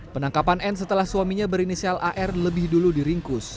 penangkapan n setelah suaminya berinisial ar lebih dulu diringkus